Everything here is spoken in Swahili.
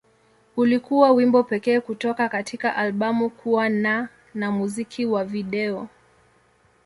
Ulikuwa wimbo pekee kutoka katika albamu kuwa na na muziki wa video.